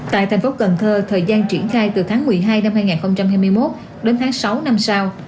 tại thành phố cần thơ thời gian triển khai từ tháng một mươi hai năm hai nghìn hai mươi một đến tháng sáu năm sau